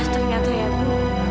ternyata ya bu